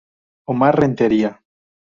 Omar Rentería.